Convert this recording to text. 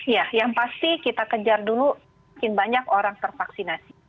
ya yang pasti kita kejar dulu mungkin banyak orang tervaksinasi